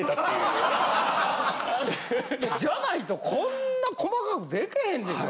じゃないとこんな細かくできへんでしょ。